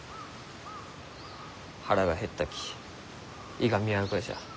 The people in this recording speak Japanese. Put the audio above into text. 腹が減ったきいがみ合うがじゃ。